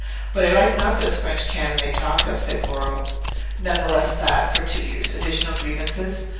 "But I like not those French cannon they talk of," said Goro, none the less fat for two years' additional grievances.